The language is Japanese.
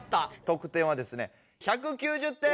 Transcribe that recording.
得点はですね１９０点！